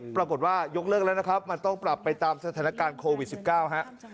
ปรากฏว่ายกเลิกแล้วนะครับมันต้องปรับไปตามสถานการณ์โควิด๑๙ฮะ